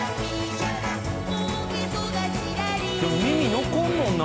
「でも耳残るもんな」